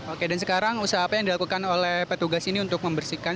oke dan sekarang usaha apa yang dilakukan oleh petugas ini untuk membersihkan